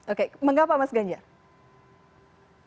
oke mengapa mas ganjar